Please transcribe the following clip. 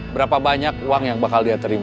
berapa banyak uang yang bakal dia terima